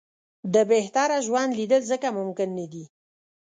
د بهتره ژوند لېدل ځکه ممکن نه دي.